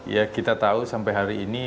ya kita tahu sampai hari ini